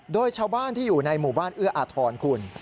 โดยชาวบ้านที่อยู่ในหมู่บ้านเอื้ออาทรคุณ